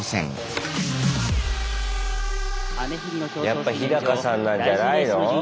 やっぱヒダカさんなんじゃないの？